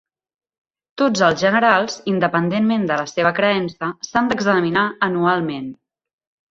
Tots els generals, independentment de la seva creença, s'han d'examinar anualment.